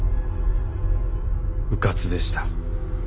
うかつでした。